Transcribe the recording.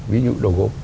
ví dụ đồ gỗ